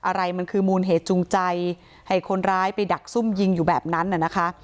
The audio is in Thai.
อะไรมันคือมูลเหตุจูงใจให้คนร้ายไปดักซุ่มยิงอยู่แบบนั้นน่ะนะคะ